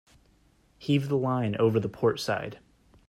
Heave the line over the port side.